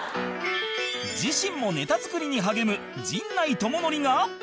自身もネタ作りに励む陣内智則が